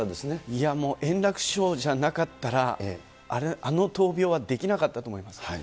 いやもう円楽師匠じゃなかったら、あの闘病はできなかったと思います。